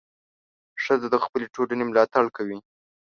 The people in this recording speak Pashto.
ښځه د خپلې ټولنې ملاتړ کوي.